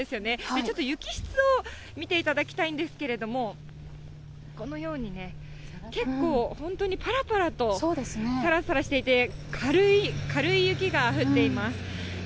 ちょっと雪質を見ていただきたいんですけれども、このようにね、結構、本当にぱらぱらと、さらさらしていて、軽い雪が降っています。